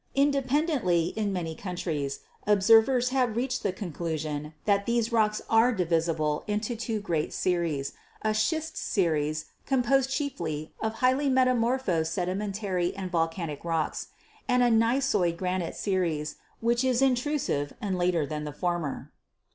Independently, in many countries, observers have reached the conclusion that these rocks are divisible into two great series, a schist series composed chiefly of highly metamorphosed sedi mentary and volcanic rocks, and a gneissoid granite series, which is intrusive and later than the former.